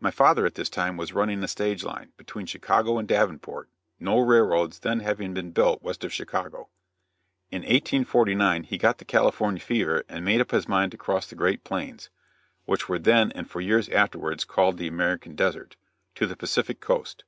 My father at this time was running a stage line, between Chicago and Davenport, no railroads then having been built west of Chicago. In 1849 he got the California fever and made up his mind to cross the great plains which were then and for years afterwards called the American Desert to the Pacific coast.